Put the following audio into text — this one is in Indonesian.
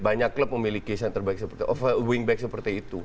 banyak klub memiliki center back seperti itu